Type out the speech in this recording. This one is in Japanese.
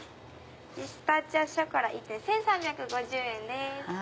ピスタチオショコラ１点１３５０円です。